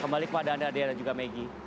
kembali kepada anda dea dan juga maggie